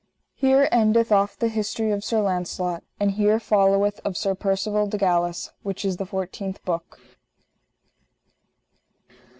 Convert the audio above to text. _Here endeth off the history of Sir Launcelot. And here followeth of Sir Percivale de Galis, which is the fourteenth book.